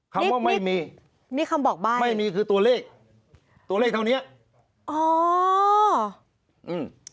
คำว่าไม่มีไม่มีคือตัวเลขตัวเลขเท่านี้นิ้วมีคำบอกใบ่